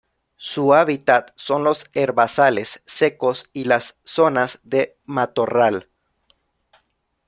Su hábitat son los herbazales secos y las zonas de matorral.